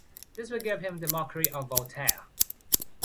This will give him the mockery of Voltaire.